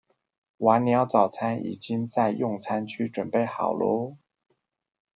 晚鳥早餐已經在用餐區準備好囉